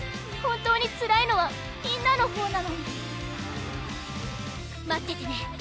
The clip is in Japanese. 本当につらいのはみんなのほうなのに待っててね